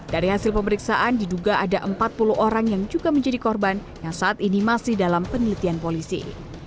dari hasil pemeriksaan diduga ada empat puluh orang yang juga menjadi korban yang saat ini masih dalam penelitian polisi